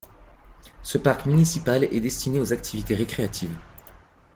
Ce parc municipal est destiné aux activités récréatives.